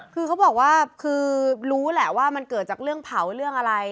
คือเขาบอกว่าคือรู้แหละว่ามันเกิดจากเรื่องเผาเรื่องอะไร